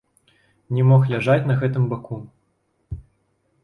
Не мог ляжаць на гэтым баку.